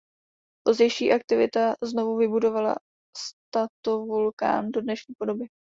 Pozdější aktivita znovu vybudovala stratovulkán do dnešní podoby.